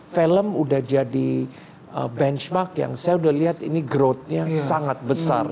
film udah jadi benchmark yang saya udah lihat ini growth nya sangat besar